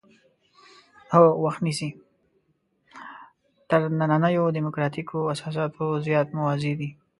تر نننیو دیموکراتیکو اساساتو زیات موازي دي.